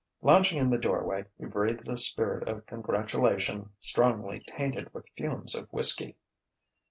Lounging in the doorway, he breathed a spirit of congratulation strongly tainted with fumes of whiskey.